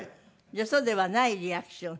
よそではないリアクション？